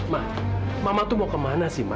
ma mama tuh mau kemana sih ma